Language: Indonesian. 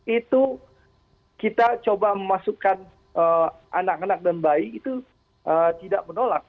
itu kita coba memasukkan anak anak dan bayi itu tidak menolak